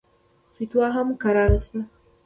فتوا هم کراره سوه.